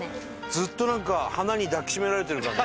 ずっとなんか花に抱きしめられてる感じ。